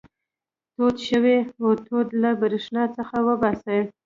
تود شوی اوتو له برېښنا څخه وباسئ.